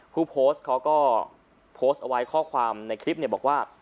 ผู้โพสต์เขาก็โพสต์เอาไว้ข้อความในคลิปบอกว่า